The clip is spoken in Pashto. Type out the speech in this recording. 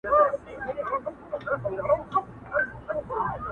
زما یو پخوانی نظم